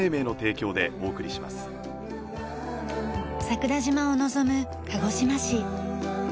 桜島を望む鹿児島市。